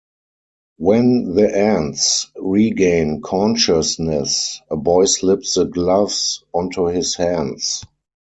When the ants regain consciousness, a boy slips the gloves onto his hands.